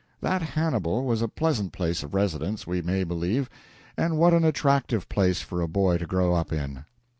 That Hannibal was a pleasant place of residence we may believe, and what an attractive place for a boy to grow up in!